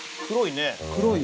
黒いね。